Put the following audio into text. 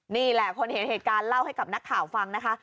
นี่แหละคนเห็นเหตุการณ์เล่าให้กับนักข่าวฟังนะคะ